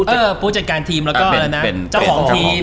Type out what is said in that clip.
เออผู้จัดการทีมแล้วก็จ้าของทีม